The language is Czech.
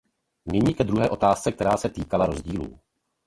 Nyní ke druhé otázce, která se týkala rozdílů.